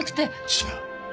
違う。